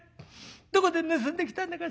どこで盗んできたんだか」。